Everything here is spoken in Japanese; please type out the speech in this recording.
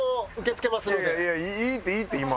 いやいいっていいって今は。